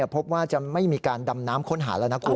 พบว่าจะไม่มีการดำน้ำค้นหาแล้วนะคุณ